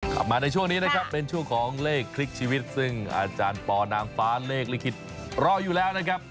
มาในช่วงนี้นะครับเป็นช่วงของเลขคลิกชีวิตซึ่งอาจารย์ปอนางฟ้าเลขลิขิตรออยู่แล้วนะครับ